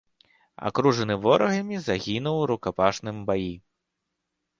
Акружаны ворагамі, загінуў у рукапашным баі.